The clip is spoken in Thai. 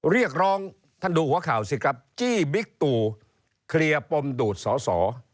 เรียกร้องท่านดูหัวข่าวสิครับจี้บิ๊กตู่เคลียร์ปมดูดสอสอ